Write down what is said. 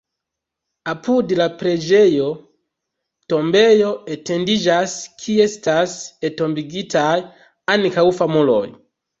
Apud la preĝejo tombejo etendiĝas, kie estas entombigitaj ankaŭ famuloj.